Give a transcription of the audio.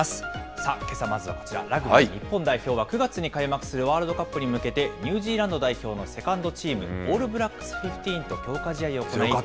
さあ、けさまずはこちら、ラグビー日本代表は、９月に開幕するワールドカップに向けて、ニュージーランド代表のセカンドチーム、ＡｌｌＢｌａｃｋｓＸＶと強化試合を行い。